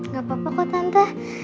gak apa apa kok tante